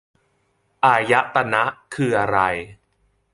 อายตนะ คืออะไร